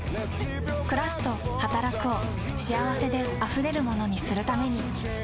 「くらす」と「はたらく」を幸せであふれるものにするために。